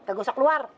gak gosok luar